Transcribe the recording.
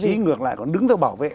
thậm chí ngược lại còn đứng theo bảo vệ